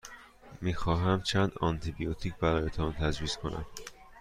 می خواهمم چند آنتی بیوتیک برایتان تجویز کنم.